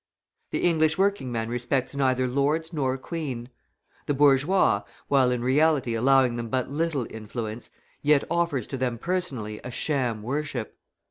The English working man respects neither Lords nor Queen. The bourgeois, while in reality allowing them but little influence, yet offers to them personally a sham worship.